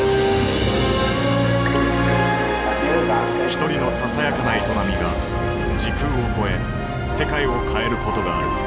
一人のささやかな営みが時空を超え世界を変えることがある。